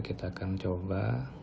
kita akan coba